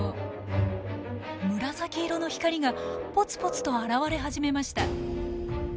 紫色の光がポツポツと現れ始めました。